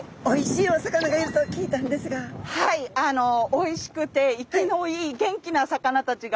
おいしくて生きのいい元気なお魚ちゃん！